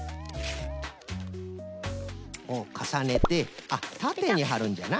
かさねてあったてにはるんじゃな。